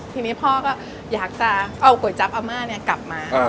ที่นี่พ่ออยากจะเอาก๋วยจับอาม่าเนี่ยกลับมา